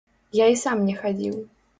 Я і сам не хадзіў.